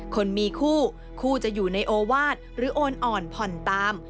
คนมีคู่คู่จะอยู่ในโอวาสหรือโอนอ่อนผ่อนตาม